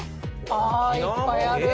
ああいっぱいある。